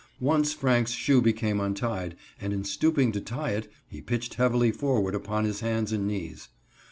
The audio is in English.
Once Franck's shoe became untied, and in stooping to tie it he pitched heavily forward upon his hands and knees.